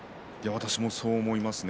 私もそう思います。